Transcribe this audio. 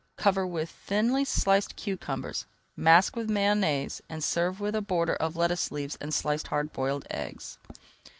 Cover with thinly sliced cucumbers, mask with Mayonnaise, and serve with a border of lettuce leaves and sliced hard boiled eggs.